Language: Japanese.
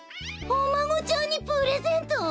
おまごちゃんにプレゼント？